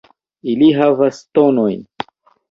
Ili havas tonojn.